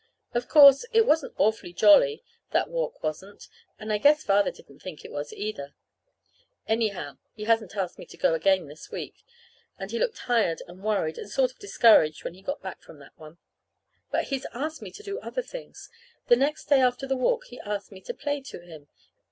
Of course, it wasn't awfully jolly that walk wasn't; and I guess Father didn't think it was either. Anyhow, he hasn't asked me to go again this week, and he looked tired and worried and sort of discouraged when he got back from that one. But he's asked me to do other things. The next day after the walk he asked me to play to him.